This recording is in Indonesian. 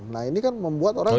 nah ini kan membuat orang